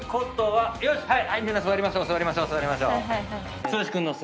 はい。